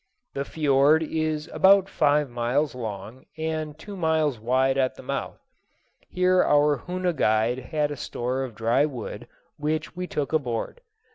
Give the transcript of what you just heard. The fiord is about five miles long, and two miles wide at the mouth. Here our Hoona guide had a store of dry wood, which we took aboard.